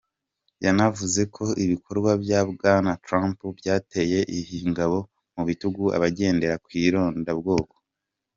Yanavuze ko ibikorwa bya Bwana Trump byateye ingabo mu bitugu abagendera ku irondabwoko.